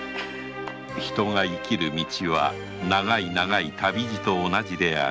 人が生きる道はながい旅路と同じである。